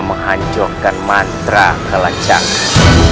menghancurkan mantra kalacakra